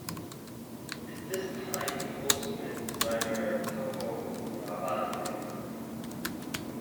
At this time he also met designer Paco Rabanne.